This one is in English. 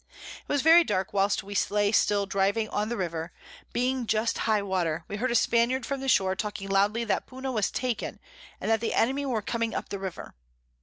It was very dark whilst we lay still driving on the River, being just High water, we heard a Spaniard from the Shore, talking loudly that Puna was taken, and that the Enemy were coming up the River.